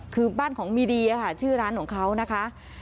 คือบ้านของมีดีค่ะชื่อร้านของเขานะคะ